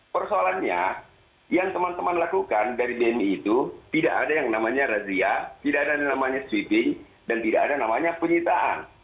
persoalannya yang teman teman lakukan dari bmi itu tidak ada yang namanya razia tidak ada yang namanya sweeping dan tidak ada namanya penyitaan